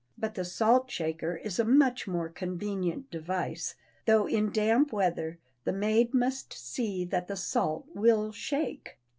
But the salt shaker is a much more convenient device, though in damp weather the maid must see that the salt will "shake."